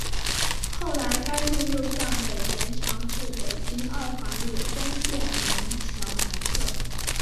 后来该路又向北延长至北京二环路东便门桥南侧。